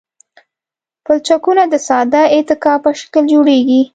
پلچکونه د ساده اتکا په شکل جوړیږي